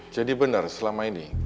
jadi benar selama ini